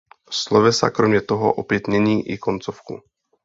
Slovesa kromě toho opět mění i koncovku.